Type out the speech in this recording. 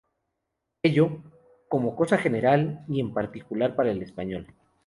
Ello, como cosa general, y en particular para el español.